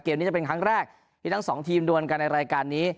นี้จะเป็นครั้งแรกที่ทั้งสองทีมดวนกันในรายการนี้